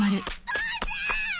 父ちゃん！